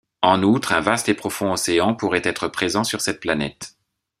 En outre, un vaste et profond océan pourrait être présent sur cette planète.